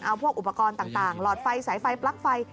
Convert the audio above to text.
เอาพวกอุปกรณ์ต่างหลอดไฟสายไฟปลั๊กไฟ